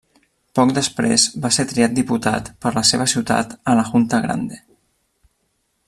Poc després va ser triat diputat per la seva ciutat a la Junta Grande.